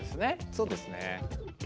そうですね。